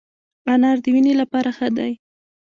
انار د وینې لپاره ښه دی